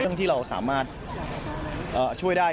ที่เราสามารถช่วยได้